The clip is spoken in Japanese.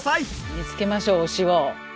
見つけましょう推しを！